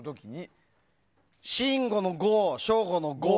信五の５、省吾の５？